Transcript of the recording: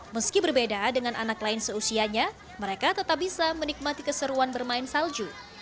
meski berbeda dengan anak lain seusianya mereka tetap bisa menikmati keseruan bermain salju